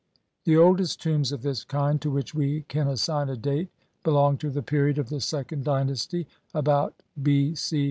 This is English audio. The oldest tombs of this kind to which we can assign a date belong to the period of the second dynasty, about B. C.